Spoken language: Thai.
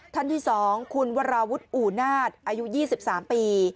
ท่านที่๒คุณวราวุฒิอู่นาศอายุ๒๓ปี